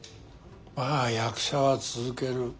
まあ役者は続ける。